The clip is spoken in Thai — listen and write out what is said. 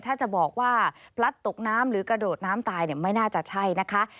ถ้าจะบอกว่าพลัดตกน้ำหรือกระโดดน้ำตายไม่น่าจะใช่นะคะ